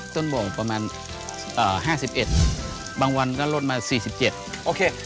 ต้นบ่องประมาณเอ่อห้าสิบเอ็ดบางวันก็ลดมาสี่สิบเจ็ดโอเค